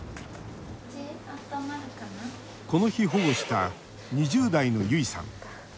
この日、保護した２０代のゆいさん。